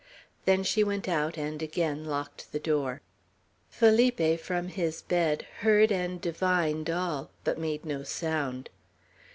Then she went out and again locked the door. Felipe, from his bed, heard and divined all, but made no sound.